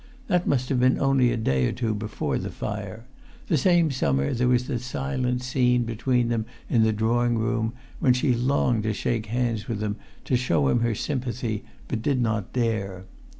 That must have been only a day or two before the fire; the same summer there was the silent scene between them in the drawing room, when she longed[Pg 310] to shake hands with him, to show him her sympathy, but did not dare.